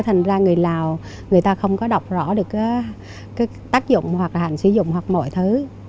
thành ra người lào không có đọc rõ được tác dụng hoặc hạn sử dụng hoặc mọi thứ